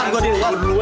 gue duluan juga